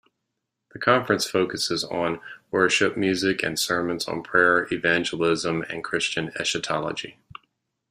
The conference focuses on worship music and sermons on prayer, evangelism, and Christian eschatology.